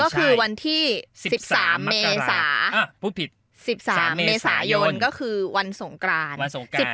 ก็คือวันที่๑๓เมษา๑๓เมษายนก็คือวันสงกราน